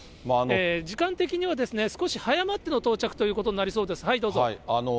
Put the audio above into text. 時間的には少し早まっての到着ということになりそうです。